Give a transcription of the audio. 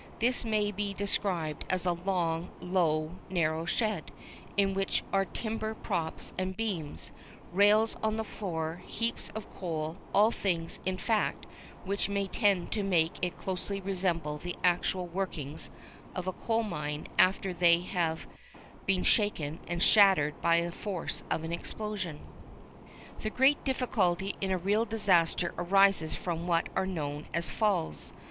This may be described as a long, low, narrow shed, in which are timber props and beams, rails on the floor, heaps of coal, all things, in fact, which may tend to make it closely resemble the actual workings of a coal mine after they have been shaken and shattered by the force of an explosion. The great difficulty, in a real disaster, arises from what are known as "falls."